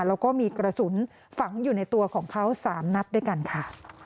แล้วก็มีกระสุนฝังอยู่ในตัวของเขา๓นัดด้วยกันค่ะ